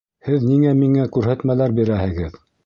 Һеҙ ниңә миңә күрһәтмәләр бирәһегеҙ?